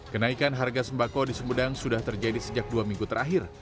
kenaikan harga sembako di sumedang sudah terjadi sejak dua minggu terakhir